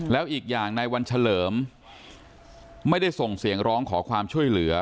แล้วอีกอย่างในวันเฉลิมไม่ได้ส่งเสียงร้องขอความช่วยเหลือ